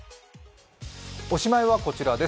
おしまいはこちらです